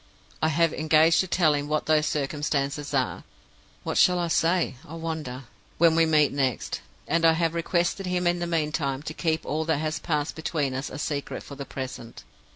I have engaged to tell him what those circumstances are (what shall I say, I wonder?) when we next meet; and I have requested him in the meantime to keep all that has passed between us a secret for the present.